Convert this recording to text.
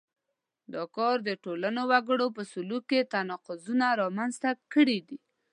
دا کار د ټولنو وګړو په سلوک کې تناقضونه رامنځته کړي دي.